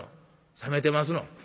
冷めてますの？